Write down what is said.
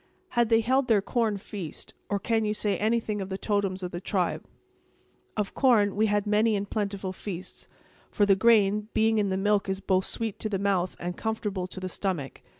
"Had they held their corn feast—or can you say anything of the totems of the tribe?" "Of corn, we had many and plentiful feasts; for the grain, being in the milk is both sweet to the mouth and comfortable to the stomach.